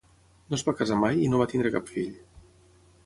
No es va casar mai i no va tenir cap fill.